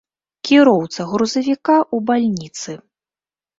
Кіроўца грузавіка ў бальніцы.